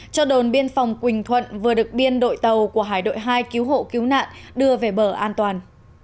cho đồn biên phòng quỳnh thuận vừa được biên đội tàu của hải đội hai cứu hộ cứu nạn đưa về bờ an toàn